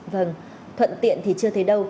vâng thuận tiện thì chưa thấy đâu